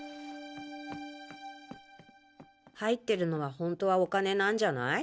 入ってるのは本当はお金なんじゃない？